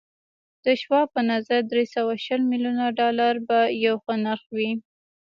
د شواب په نظر دري سوه شل ميليونه ډالر به يو ښه نرخ وي.